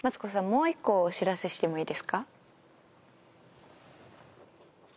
もう一個お知らせしてもいいですか？